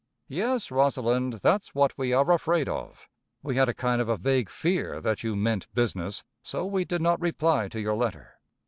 Yes, Rosalinde, that's what we are afraid of. We had a kind of a vague fear that you meant business, so we did not reply to your letter.